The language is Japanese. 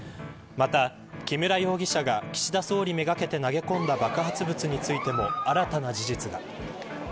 また、木村容疑者が岸田総理めがけて投げ込んだ爆発物についても新たな事実が。